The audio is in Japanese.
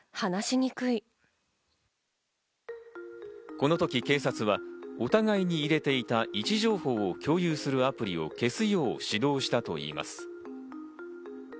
このとき警察は、お互いに入れていた位置情報を共有するアプリを消すよう指導したといいます。